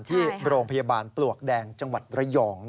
ที่โรงพยาบาลปลวกแดงจังหวัดระยอง